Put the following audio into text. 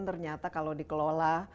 ternyata kalau dikelola